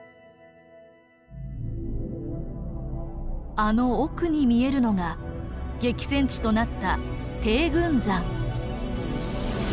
あの奥に見えるのが激戦地となった定軍山。